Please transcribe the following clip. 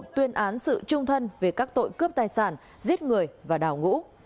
tuyên án sự trung thân về các tội cướp tài sản giết người và đào ngũ